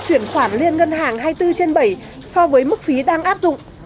chuyển khoản liên ngân hàng hai mươi bốn trên bảy so với mức phí đang áp dụng